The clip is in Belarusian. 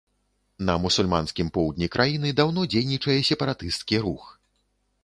На мусульманскім поўдні краіны даўно дзейнічае сепаратысцкі рух.